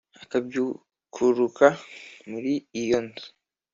akabyukuruka mur íiyo nzu